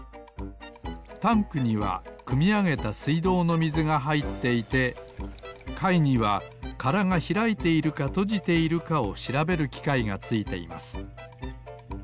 タンクにはくみあげたすいどうのみずがはいっていてかいにはからがひらいているかとじているかをしらべるきかいがついています。